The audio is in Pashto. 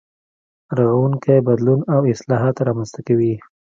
رغونکی بدلون او اصلاحات رامنځته کوي.